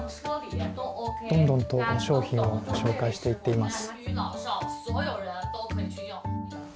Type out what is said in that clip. どんどんと商品を紹介していっています。